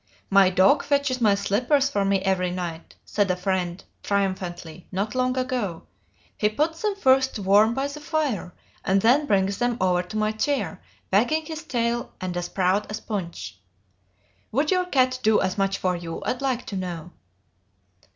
'My dog fetches my slippers for me every night,' said a friend, triumphantly, not long ago. 'He puts them first to warm by the fire, and then brings them over to my chair, wagging his tail, and as proud as Punch. Would your cat do as much for you, I'd like to know?'